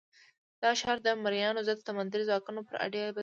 دا ښار د مریانو ضد سمندري ځواکونو پر اډې بدل شو.